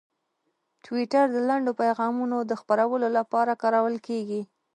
ټویټر د لنډو پیغامونو د خپرولو لپاره کارول کېږي.